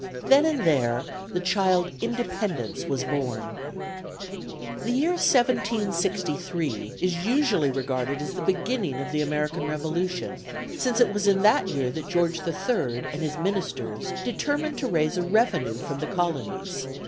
... Then and there the child Independence was born." The year 1763 is usually regarded as the beginning of the American Revolution, since it was in that year that George III and his ministers determined to raise a revenue from the colonies.